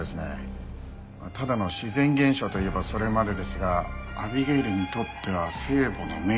ただの自然現象といえばそれまでですがアビゲイルにとっては聖母の命日。